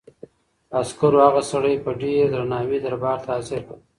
عسکرو هغه سړی په ډېر درناوي دربار ته حاضر کړ.